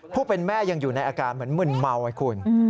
ผู้เป็นแม่ยังอยู่ในอาการเหมือนมึนเมาให้คุณ